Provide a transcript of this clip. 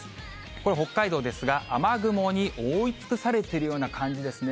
これ北海道ですが、雨雲に覆い尽くされているような感じですね。